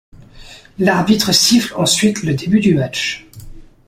L'arbitre siffle ensuite le début du match.